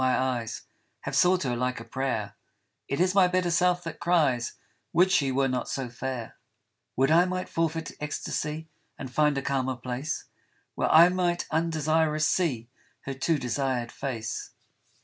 my eyes Have sought her like a prayer ; It is my better self that cries " Would she were not so fair !" Would I might forfeit ecstasy And find a calmer place, Where I might undesirous see Her too desired face.